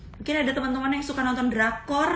mungkin ada teman teman yang suka nonton drakor